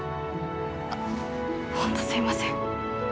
あっ本当すいません。